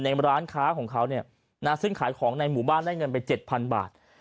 ร้านค้าของเขาเนี่ยนะซึ่งขายของในหมู่บ้านได้เงินไป๗๐๐บาท